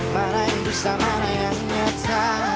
mana yang disalah yang nyata